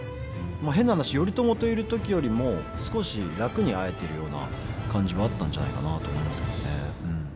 変な話頼朝といるときよりも少し楽に会えているような感じはあったんじゃないかなと思いますね。